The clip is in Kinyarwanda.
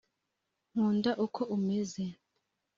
nkunda uko umeze.